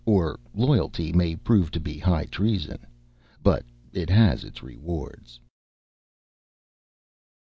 Or loyalty may prove to be high treason. But it has its rewards.